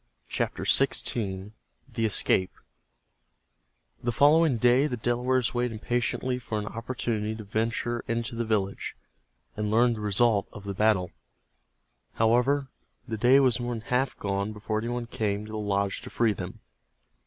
CHAPTER XVI—THE ESCAPE The following day the Delawares waited impatiently for an opportunity to venture into the village, and learn the result of the battle. However, the day was more than half gone before any one came to the lodge to free them.